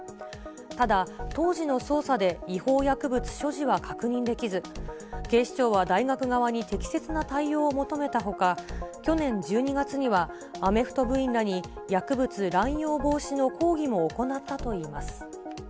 ただ、当時の捜査で違法薬物所持は確認できず、警視庁は大学側に適切な対応を求めたほか、去年１２月には、アメフト部員らに薬物乱用防止の講義も行ったといいます。